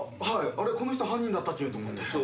はいあれこの人犯人だったっけ？と思って。